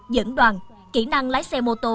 dẫn đoàn kỹ năng lái xe mô tô